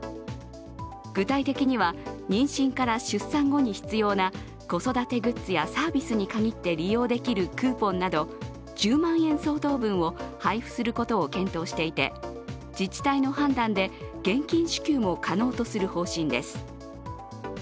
具体的には、妊娠から出産後に必要な子育てグッズやサービスにかぎって利用できるクーポンなど１０万円相当分を配布することを検討していて、自治体の判断で現金支給も可能とする方針です。